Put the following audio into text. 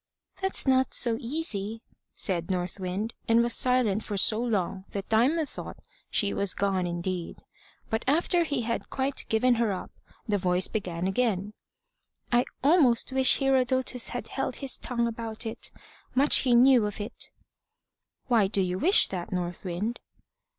"That's not so easy," said North Wind, and was silent for so long that Diamond thought she was gone indeed. But after he had quite given her up, the voice began again. "I almost wish old Herodotus had held his tongue about it. Much he knew of it!" "Why do you wish that, North Wind?"